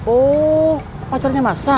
oh pacarnya mas al